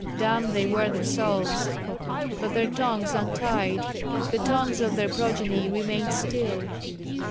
Dumb they were themselves. But their tongues untied. The tongues of their progeny remained still.